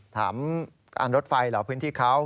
ถามการรถไฟเหรอพื้นที่เขา